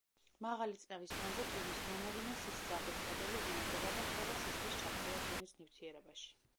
მაღალი წნევის ფონზე ტვინის რომელიმე სისხლძარღვის კედელი ზიანდება და ხდება სისხლის ჩაქცევა ტვინის ნივთიერებაში.